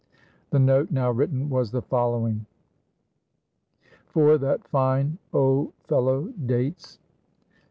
The note now written was the following: "_For that Fine Old Fellow, Dates.